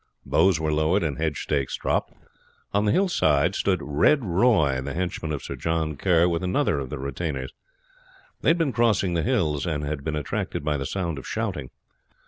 Bows were lowered and hedge stakes dropped; on the hillside stood Red Roy, the henchman of Sir John Kerr, with another of the retainers. They had been crossing the hills, and had been attracted by the sound of shouting.